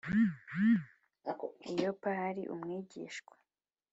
I Yopa hari umwigishwa